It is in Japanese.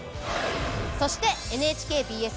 そしてＮＨＫＢＳ